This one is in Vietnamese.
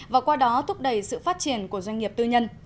và qua đó thúc đẩy sự phát triển của doanh nghiệp tư nhân